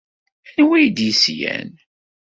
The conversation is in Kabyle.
Anwa d yeslan?